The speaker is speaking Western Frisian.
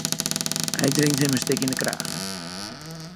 Hy drinkt him in stik yn 'e kraach.